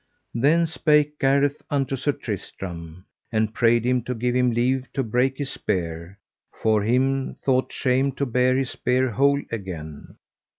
Then spake Gareth unto Sir Tristram, and prayed him to give him leave to break his spear, for him thought shame to bear his spear whole again.